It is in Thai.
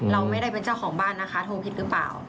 เราไม่ได้เป็นเจ้าของบ้านนะคะโทรผิดหรือเปล่า